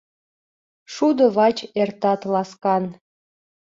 Шудо вач эртат ласкан...